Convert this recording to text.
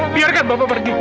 biarkan bapak pergi